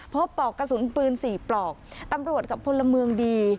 ปลอกกระสุนปืน๔ปลอกตำรวจกับพลเมืองดี